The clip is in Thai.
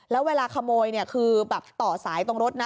แล้วเวลาขโมยเนี่ยคือแบบต่อสายตรงรถนะ